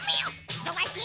いそがしいの！